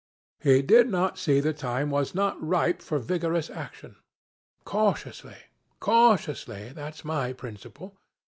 He did not see the time was not ripe for vigorous action. Cautiously, cautiously that's my principle.